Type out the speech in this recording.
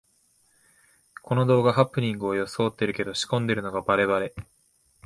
この動画、ハプニングをよそおってるけど仕込んでるのがバレバレ